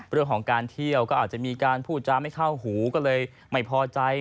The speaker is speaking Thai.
เรื่องของการเที่ยวก็อาจจะมีการพูดจาไม่เข้าหูก็เลยไม่พอใจ